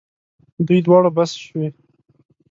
دوی دواړو بس شوې.